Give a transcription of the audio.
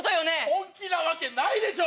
本気なわけないでしょ！